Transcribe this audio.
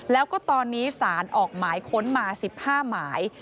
แล้วก็ตอนนี้สารออกหมายค้นมา๑๕หมาย